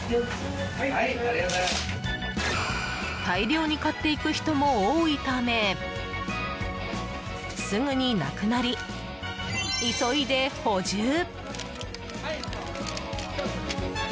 大量に買っていく人も多いためすぐになくなり、急いで補充。